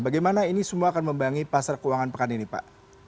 bagaimana ini semua akan membangi pasar keuangan pekan ini pak